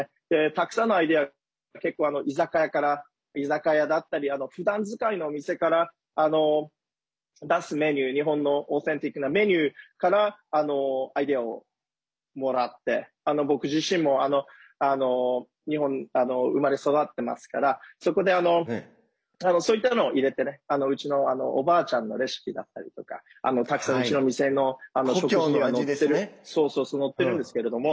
たくさんのアイデア結構、居酒屋から居酒屋だったりふだん使いのお店から出すメニュー日本のオーセンティックなメニューからアイデアをもらって僕自身も日本で生まれ育ってますからそこで、そういったのを入れてうちのおばあちゃんのレシピだったりとかたくさん、うちの店の食事にはのっているんですけれども。